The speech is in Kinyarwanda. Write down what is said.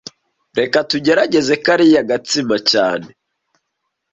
Reka tugerageze kariya gatsima cyane